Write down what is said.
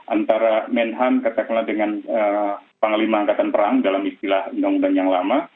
antara menhan katakanlah dengan panglima angkatan perang dalam istilah undang undang yang lama